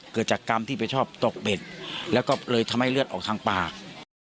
เกิดจากกรรมที่ไปชอบตกเบ็ดแล้วก็เลยทำให้เลือดออกทางปาก